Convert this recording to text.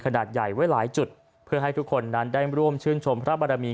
ขนาดใหญ่ไว้หลายจุดเพื่อให้ทุกคนนั้นได้ร่วมชื่นชมพระบารมี